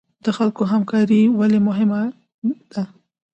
د خلکو همکاري ولې مهمه ده؟